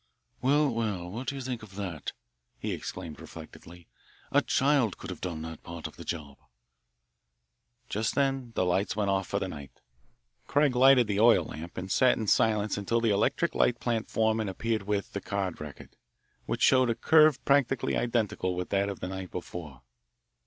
"Well, well, what do you think of that?" he exclaimed reflectively. "A child could have done that part of the job." Just then the lights went off for the night. Craig lighted the oil lamp, and sat in silence until the electric light plant foreman appeared with; the card record, which showed a curve practically identical with that of the night before.